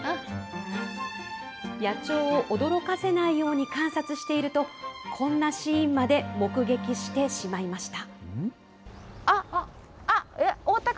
野鳥を驚かせないように観察していると、こんなシーンまで目撃してしまいました。